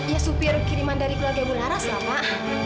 ya supir kiriman dari keluarga mularas pak